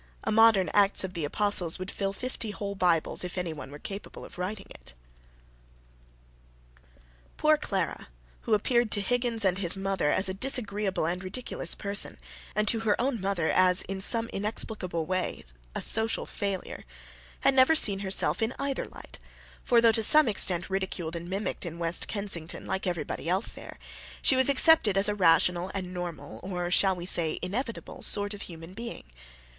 A modern Acts of the Apostles would fill fifty whole Bibles if anyone were capable of writing it. Poor Clara, who appeared to Higgins and his mother as a disagreeable and ridiculous person, and to her own mother as in some inexplicable way a social failure, had never seen herself in either light; for, though to some extent ridiculed and mimicked in West Kensington like everybody else there, she was accepted as a rational and normal—or shall we say inevitable?—sort of human being.